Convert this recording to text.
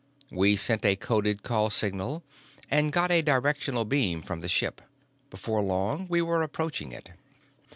We sent a coded call signal and got a directional beam from the ship. Before long we were approaching it.